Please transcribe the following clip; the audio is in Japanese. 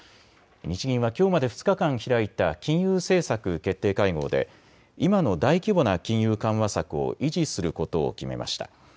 日銀はきょうまで２日間、開いた金融政策決定会合で今の大規模な金融緩和策を維持することを決めました。